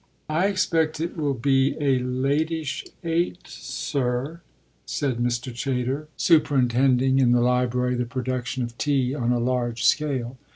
"I expect it will be a lateish eight, sir," said Mr. Chayter, superintending in the library the production of tea on a large scale.